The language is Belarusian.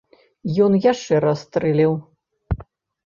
Ён яшчэ раз стрэліў.